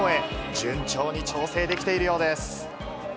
順調に調整できているようです。